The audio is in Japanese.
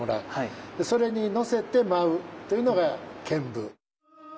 それに乗せて舞うっていうのが「剣舞」。